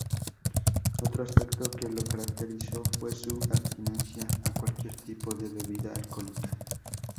Otro aspecto que lo caracterizó, fue su abstinencia a cualquier tipo de bebida alcohólica.